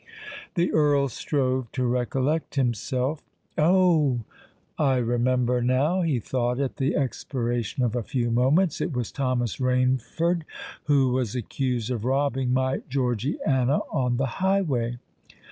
The Earl strove to recollect himself. "Oh! I remember now!" he thought at the expiration of a few moments: "it was Thomas Rainford who was accused of robbing my Georgiana on the highway!